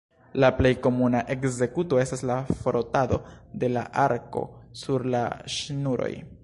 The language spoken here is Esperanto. La plej komuna ekzekuto estas la frotado de la arko sur la ŝnuroj.